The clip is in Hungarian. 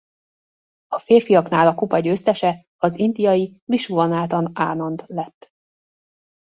A férfiaknál a kupa győztese az indiai Visuvanátan Ánand lett.